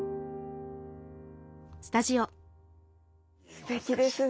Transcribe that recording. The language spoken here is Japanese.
すてきですね。